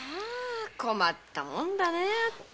困ったもんだね。